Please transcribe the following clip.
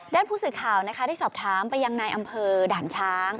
ด้านภูมิสื่อข่าวที่ชอบถามไปยังนายอำเภอด่านช้าง